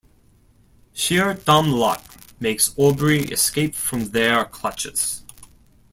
Sheer dumb luck makes Aubrey escape from their clutches.